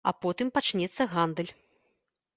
А потым пачнецца гандаль.